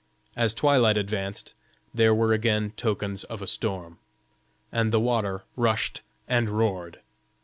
As twilight advanced, there were again tokens of a storm, and the water rushed and roared.